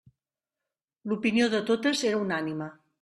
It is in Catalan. L'opinió de totes era unànime.